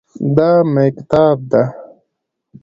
دا مېکتاب ده